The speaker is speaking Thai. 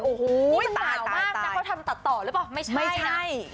โอ้โหมันหนาวมากนะเขาทำตัดต่อหรือเปล่าไม่ใช่นะ